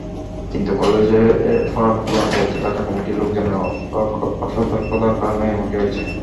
কিন্তু কলেজে ফরম পূরণের দায়িত্বে থাকা কমিটির লোকজনের অসতর্কতার কারণে এমনটি হয়েছে।